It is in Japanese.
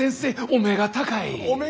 お目が高い！